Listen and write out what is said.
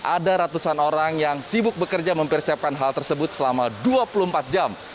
ada ratusan orang yang sibuk bekerja mempersiapkan hal tersebut selama dua puluh empat jam